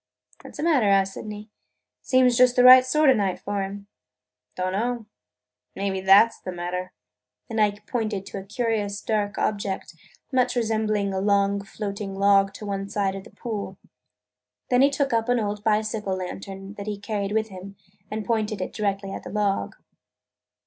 "What 's the matter?" asked Sydney. "Seems just the right sort of night for 'em." "Don't know. Maybe that 's the matter!" And Ike pointed to a curious dark object, much resembling a long, floating log to one side of the pool. Then he took up an old bicycle lantern that he carried with him and pointed it directly at the log.